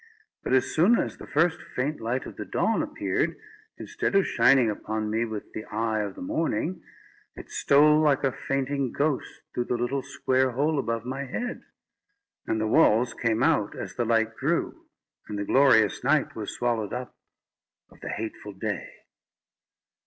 But as soon as the first faint light of the dawn appeared, instead of shining upon me from the eye of the morning, it stole like a fainting ghost through the little square hole above my head; and the walls came out as the light grew, and the glorious night was swallowed up of the hateful day.